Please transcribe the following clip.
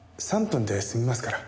３分で済みますから。